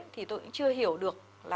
thì tôi cũng chưa hiểu được